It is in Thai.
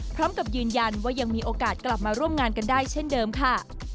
พร้อมกับยืนยันว่ายังมีโอกาสกลับมาร่วมงานกันได้เช่นเดิมค่ะ